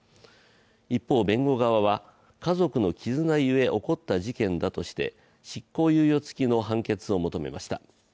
一方弁護側は、家族の絆ゆえ起こった事件だとして執行猶予つきの判決を求めました。